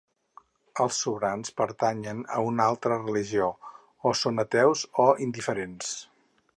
Els sobrants pertanyen a una altra religió o són ateus o indiferents.